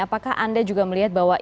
apakah anda juga melihat bahwa